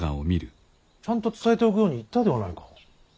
ちゃんと伝えておくように言ったではないか。